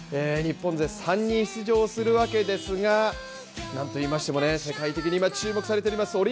日本勢、３人出場するわけですがなんといっても世界的に今、注目されています